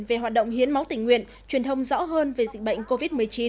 về hoạt động hiến máu tình nguyện truyền thông rõ hơn về dịch bệnh covid một mươi chín